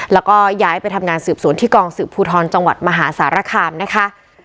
แล้วก็ย้ายไปทำงานสืบสวนที่กองสืบภูทรจังหวัดมหาสารคามนะคะ